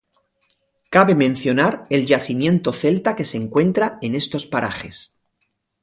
Cabe mencionar el yacimiento celta que se encuentra en estos parajes.